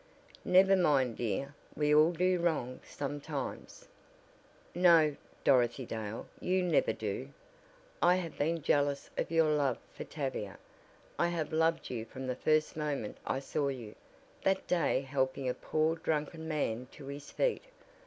"Never mind dear. We all do wrong sometimes " "No, Dorothy Dale, you never do. I have been jealous of your love for Tavia. I have loved you from the first moment I saw you that day helping a poor drunken man to his feet.